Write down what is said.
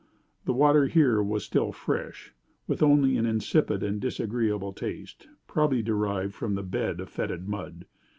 The water here was still fresh, with only an insipid and disagreeable taste, probably derived from the bed of fetid mud.